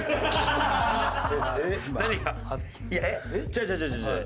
違う違う違う違う。